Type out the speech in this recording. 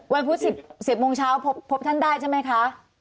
พุธ๑๐โมงเช้าพบท่านได้ใช่ไหมคะ